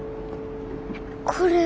これ。